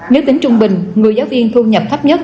nếu tính trung bình người giáo viên thu nhập thấp nhất